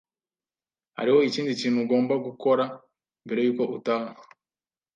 Hariho ikindi kintu ugomba gukora mbere yuko utaha.